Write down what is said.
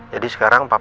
jadi sekarang papa